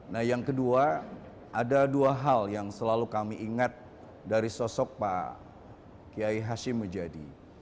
nah yang kedua ada dua hal yang selalu kami ingat dari sosok pak kiai hashim mujadi